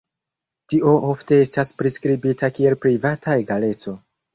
Tio ofte estas priskribita kiel privata egaleco.